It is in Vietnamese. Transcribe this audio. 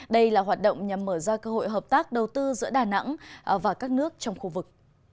đây là hoạt động nhằm mở ra cơ hội hợp tác đầu tư giữa đà nẵng và các nước trong khu vực